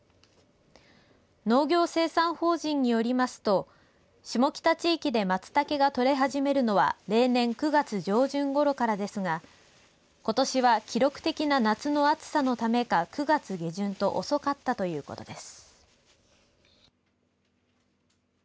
農業生産法人によりますと下北地域でマツタケが採れ始めるのは例年９月上旬ごろからですがことしは記録的な夏の暑さのためか９月下旬と遅かったということです。